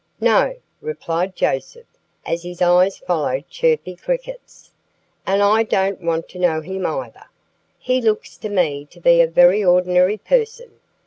"No!" replied Joseph, as his eyes followed Chirpy Cricket's. "And I don't want to know him, either. He looks to me to be a very ordinary person.